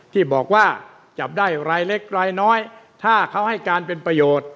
ที่บอกว่าจับได้รายเล็กรายน้อยถ้าเขาให้การเป็นประโยชน์